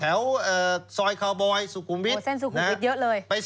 แถวซอยกล้าบอยซูกุมวิธ